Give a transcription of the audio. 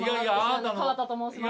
川田と申します。